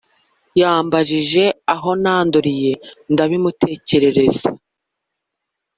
Yambajije aho nanduriye ndabimutekerereza